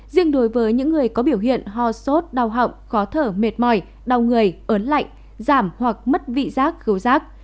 riêng đối với những người có biểu hiện ho sốt đau họng khó thở mệt mỏi đau người ớn lạnh giảm hoặc mất vị giác cứu giác